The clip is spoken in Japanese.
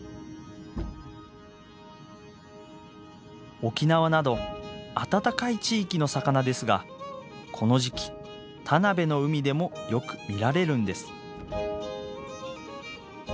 沖縄など暖かい地域の魚ですがこの時期田辺の海でもよく見られるんです。